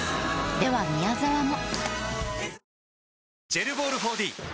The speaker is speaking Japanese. では宮沢も。